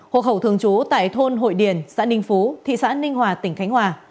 hộ khẩu thường trú tại thôn hội điền xã ninh phú thị xã ninh hòa tỉnh khánh hòa